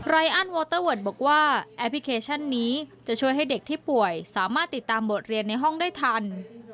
อันวอเตอร์เวิร์ดบอกว่าแอปพลิเคชันนี้จะช่วยให้เด็กที่ป่วยสามารถติดตามบทเรียนในห้องได้ทัน